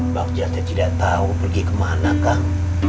bagja tidak tahu pergi kemana kang